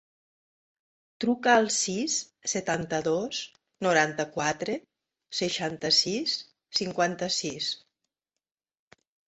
Truca al sis, setanta-dos, noranta-quatre, seixanta-sis, cinquanta-sis.